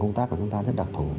công tác của chúng ta rất đặc thù